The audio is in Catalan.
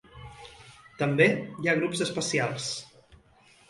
També hi ha grups espacials.